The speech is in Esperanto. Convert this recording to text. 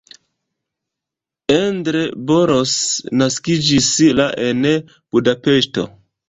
Endre Boros naskiĝis la en Budapeŝto.